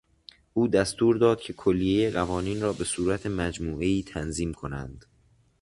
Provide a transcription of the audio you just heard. او دستور داد که کلیهی قوانین را به صورت مجموعهای تنظیم کنند.